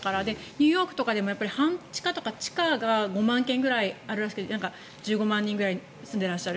ニューヨークとかでも半地下とか地下が５万軒くらいあるらしくて１５万人ぐらい住んでらっしゃる。